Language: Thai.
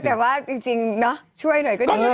เอ้อแต่ว่าจริงเนอะช่วยหน่อยก็ได้เลย